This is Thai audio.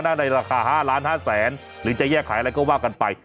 นั่นในราคา๕ล้าน๕แสนหรือจะแยกขายอะไรก็ว่ากันไป